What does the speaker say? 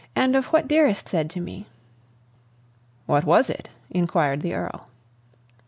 and of what Dearest said to me." "What was it?" inquired the Earl.